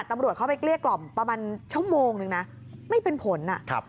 ตำรวจเข้าไปเกลี้ยกล่อมประมาณชั่วโมงนึงนะไม่เป็นผลอ่ะครับ